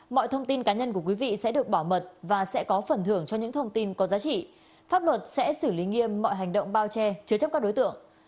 mọi thông tin cá nhân của quý vị sẽ được bảo mật và sẽ có phần thưởng cho những thông tin có giá trị pháp luật sẽ xử lý nghiêm mọi hành động bao che chứa chấp các đối tượng